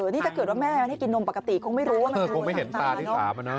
นี่ถ้าเกิดว่าแม่ให้กินนมปกติคงไม่รู้ว่ามันเป็นหัวสามตาเนอะ